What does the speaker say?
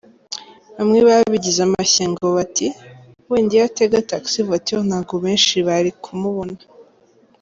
Bamwe babigize amashyengo bati " Wenda iyo atega taxi voiture ntabwo benshi bari kumubona" .